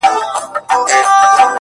ته ټيک هغه یې خو اروا دي آتشي چیري ده؛